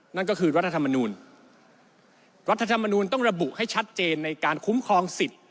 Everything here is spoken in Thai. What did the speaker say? นั่นก็คือรัฐธรรมนูลรัฐธรรมนูลต้องระบุให้ชัดเจนในการคุ้มครองสิทธิ์